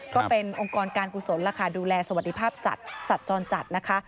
ก็เป็นองค์กรการกุศลล่ะค่ะดูแลสวัสดิภาพสัตว์สัตว์จรจัดนะคะ